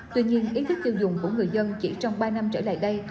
tuy nhiên ý thức tiêu dùng của người dân chỉ trong ba năm trở lại đây